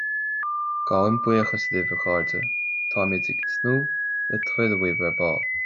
Gabhaim buíochas libh a chairde táimid ag tsnúth le tuilleadh uaibh ar ball